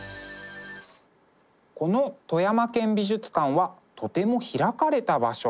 この富山県美術館はとても開かれた場所。